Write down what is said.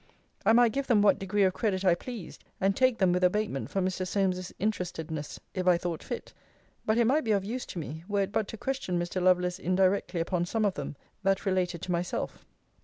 I might give them what degree of credit I pleased; and take them with abatement for Mr. Solmes's interestedness, if I thought fit. But it might be of use to me, were it but to question Mr. Lovelace indirectly upon some of them, that related to myself.